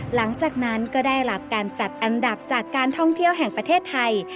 หลังจากนั้นก็ได้รับการจัดอันดับจากการท่องเที่ยวแห่งประเทศไทย